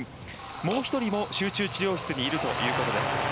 もう１人も集中治療室にいるということです。